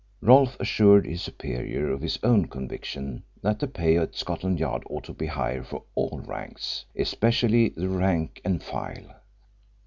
Rolfe assured his superior of his conviction that the pay at Scotland Yard ought to be higher for all ranks especially the rank and file.